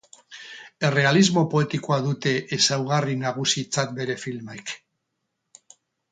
Errealismo poetikoa dute ezaugarri nagusitzat bere filmek.